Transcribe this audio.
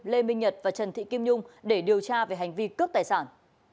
lê minh nhật và trần thị kim nhung để điều tra về hành vi cướp tài sản